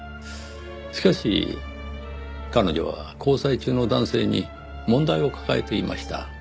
しかし彼女は交際中の男性に問題を抱えていました。